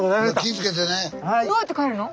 どうやって帰るの？